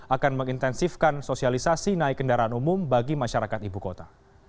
akan mengintensifkan sosialisasi naik kendaraan umum bagi masyarakat ibu kota